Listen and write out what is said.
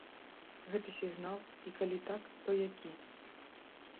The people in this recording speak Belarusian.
Гэта сігнал і калі так, то які?